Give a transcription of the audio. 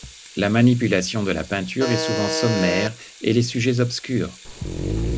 La manipulation de la peinture est souvent sommaire et les sujets obscurs.